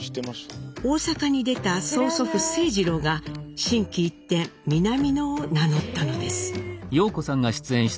大阪に出た曽祖父清二郎が心機一転ミナミノを名乗ったのです。